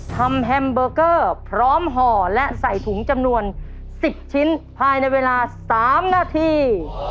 แฮมเบอร์เกอร์พร้อมห่อและใส่ถุงจำนวน๑๐ชิ้นภายในเวลา๓นาที